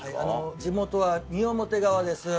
地元は三面川です。